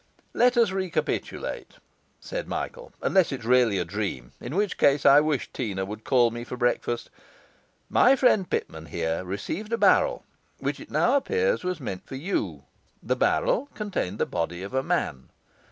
'Let us recapitulate,' said Michael, 'unless it's really a dream, in which case I wish Teena would call me for breakfast. My friend Pitman, here, received a barrel which, it now appears, was meant for you. The barrel contained the body of a man.